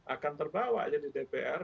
akan terbawa ya di dpr